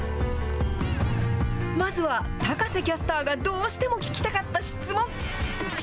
まずは高瀬キャスターがどうしても聞きたかった質問。